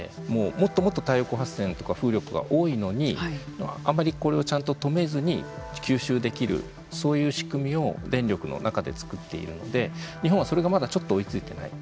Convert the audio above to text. もっともっと太陽光発電とか風力が多いのにあんまりこれをちゃんと止めずに吸収できるそういう仕組みを電力の中で作っているので日本はそれがまだちょっと追いついてないと。